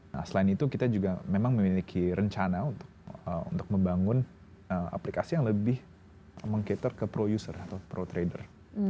nah selain itu kita juga memang memiliki rencana untuk membangun aplikasi yang lebih meng cater ke pro user atau pro trader